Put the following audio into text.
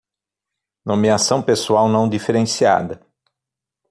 Nomeação pessoal não diferenciada